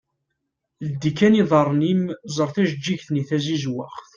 Ldi kan iḍarren-im ẓer tajeğğigt-nni tazizwaɣt.